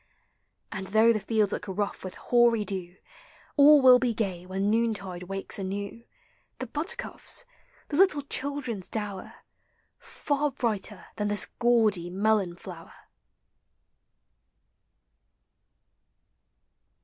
And, though the fields look rough with hoary dew, All will be gay when noontide wakes anew The buttercups, the little children's dower, Far brighter than this gaudy melon flower!